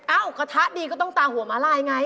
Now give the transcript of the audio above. กระทะดีก็ต้องตาหัวม้าลายไง